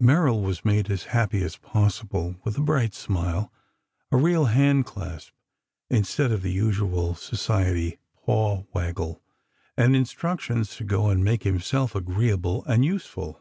Merrill was made as happy as possible by a bright smile, a real hand clasp instead of the usual Society paw waggle, and instructions to go and make himself agreeable and useful.